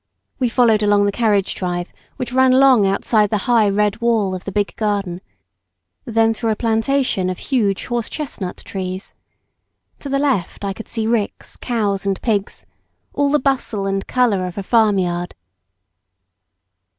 We followed along the carriage drive which ran along outside the high red wall of the big garden, then through a plantation of huge horse chestnut trees. To the left, I could see ricks, cows and pigs, all the bustle and colour of a farm yard.